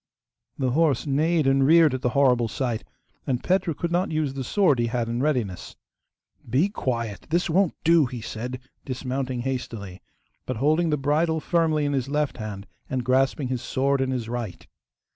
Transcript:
The horse neighed and reared at the horrible sight, and Petru could not use the sword he had in readiness. 'Be quiet! this won't do!' he said, dismounting hastily, but holding the bridle firmly in his left hand and grasping his sword in his right.